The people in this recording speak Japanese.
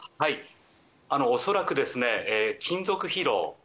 恐らく金属疲労